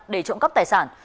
để trộm cắp tài sản